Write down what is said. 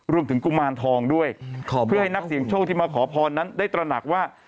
กุมารทองด้วยเพื่อให้นักเสียงโชคที่มาขอพรนั้นได้ตระหนักว่า